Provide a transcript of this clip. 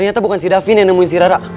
ternyata bukan si davin yang nemuin si rara